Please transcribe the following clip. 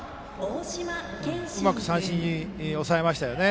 うまく三振に抑えましたね。